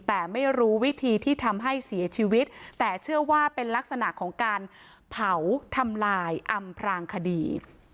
แต่ไม่รู้วิธีที่ทำให้เสียชีวิตแต่เชื่อว่าเป็นลักษณะของการเผาทำลายอำพรางคดี